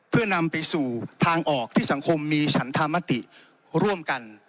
เพื่อนำไปสู่ทางออกที่สังคมมีฉันธรรมติร่วมกัน